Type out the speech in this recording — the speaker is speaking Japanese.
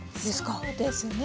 そうですね。